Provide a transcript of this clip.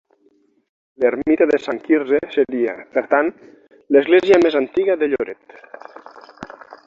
L'ermita de Sant Quirze seria, per tant, l'església més antiga de Lloret.